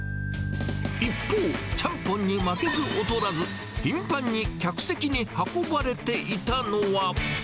一方、ちゃんぽんに負けず劣らず、頻繁に客席に運ばれていたのは。